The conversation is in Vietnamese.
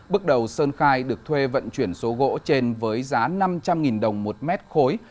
bước đầu sơn khai được thuê vận chuyển số gỗ trên với giá năm trăm linh đồng một mét khối